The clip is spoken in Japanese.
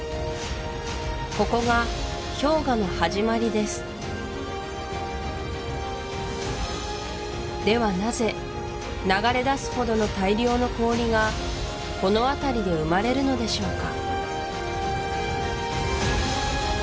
ここが氷河の始まりですではなぜ流れだすほどの大量の氷がこの辺りで生まれるのでしょうか？